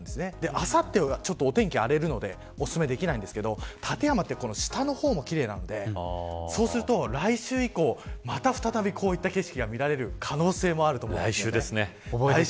あさって、ちょっとお天気荒れるのでおすすめできないんですが立山は下の方も奇麗なんで来週以降、また再びこういった景色が見られる可能性もあります。